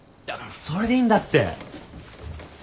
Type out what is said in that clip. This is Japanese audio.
だからそれでいいんだって。